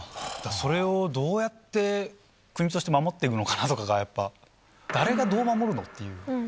それをどうやって国として守っていくのかというのがやっぱ、誰がどう守るの？っていう。